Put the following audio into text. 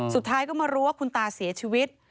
สุดท้ายก็มารู้ว่าคุณตาเสียชีวิต